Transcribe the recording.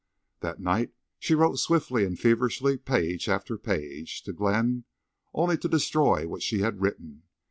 That night she wrote swiftly and feverishly, page after page, to Glenn, only to destroy what she had written.